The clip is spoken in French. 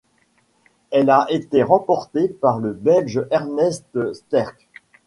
Elle a été remportée par le Belge Ernest Sterckx.